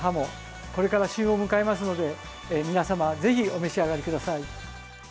これから旬を迎えますので皆様、ぜひお召し上がりください。